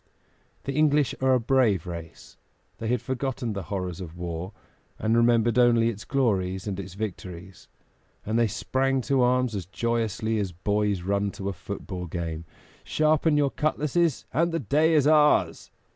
The English are a brave race; they had forgotten the horrors of war, and remembered only its glories and its victories; and they sprang to arms as joyously as boys run to a football game. "Sharpen your cutlasses, and the day is ours!"